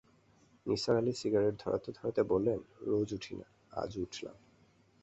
Nisar Ali cigarette ধরাতে-ধরাতে বললেন, রোজ উঠি না, আজ উঠলাম।